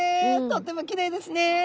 とってもきれいですね。